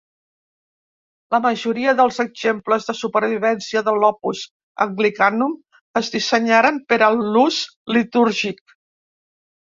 La majoria dels exemples de supervivència de l'opus Anglicanum es dissenyaren per a l'ús litúrgic.